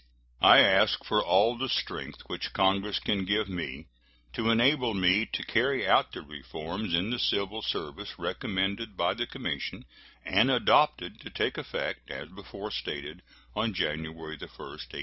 I ask for all the strength which Congress can give me to enable me to carry out the reforms in the civil service recommended by the commission, and adopted to take effect, as before stated, on January 1, 1872.